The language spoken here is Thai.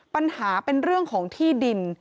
ปัญหาเป็นเรื่องของที่ดิน